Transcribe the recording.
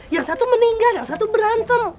yang satu meninggal yang satu berantem